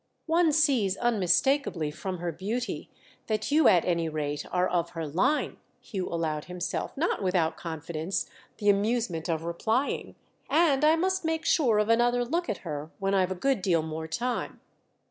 "One sees, unmistakably, from her beauty, that you at any rate are of her line," Hugh allowed himself, not without confidence, the amusement of replying; "and I must make sure of another look at her when I've a good deal more time."